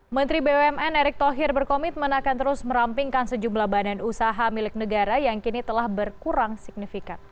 menteri bumn erick thohir berkomitmen akan terus merampingkan sejumlah badan usaha milik negara yang kini telah berkurang signifikan